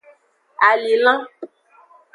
Alinlan.